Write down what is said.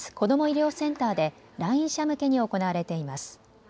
医療センターで来院者向けに行われています。